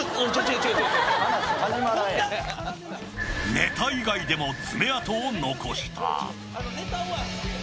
ネタ以外でも爪痕を残した。